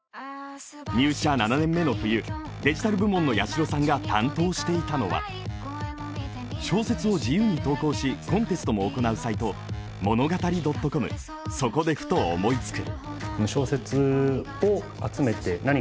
入社７年目の冬、デジタル部門の屋代さんが担当していたのは、小説を自由に投稿しコンテストも行うサイト、ｍｏｎｏｇａｔａｒｙ．ｃｏｍ、そこでふと思いつく。